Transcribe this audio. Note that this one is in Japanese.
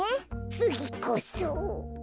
つぎこそ。